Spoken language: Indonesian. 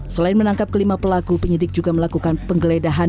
selain menangkap kelima pelaku penyidik juga melakukan penggeledahan